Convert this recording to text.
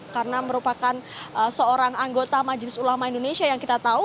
karena merupakan seorang anggota majelis ulama indonesia yang kita tahu